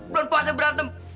belum puasa berantem